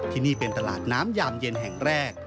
ที่นี่เป็นตลาดน้ำยามเย็นแห่งแรก